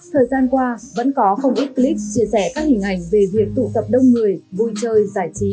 thời gian qua vẫn có không ít clip chia sẻ các hình ảnh về việc tụ tập đông người vui chơi giải trí